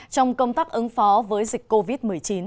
trong công tác ứng phó với dịch covid một mươi chín